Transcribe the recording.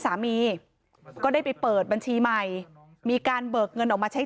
สามีก็ได้ไปเปิดบัญชีใหม่มีการเบิกเงินออกมาใช้